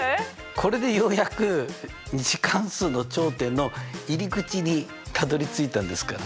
これでようやく２次関数の頂点の入り口にたどりついたんですから。